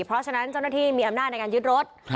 เพราะฉะนั้นเจ้าหน้าที่มีอำนาจในการยึดรถ